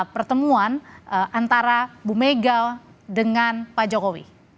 pertemuan antara bu mega dengan pak jokowi